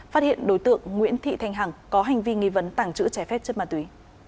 phát hiện đối tượng nguyễn thị thanh hằng có hành vi nghi vấn tàng trữ trái phép chất ma túy